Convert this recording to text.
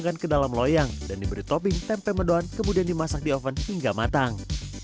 dimakan ke dalam loyang dan diberi topping tempe mendoan kemudian dimasak di oven hingga matang